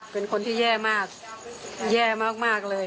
เป็นคนที่แย่มากแย่มากเลย